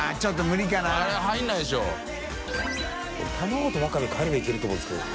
卵とワカメかえればいけると思うんですけど。